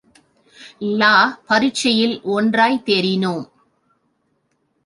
லா பரீட்சையில் ஒன்றாய்த் தேறினோம்.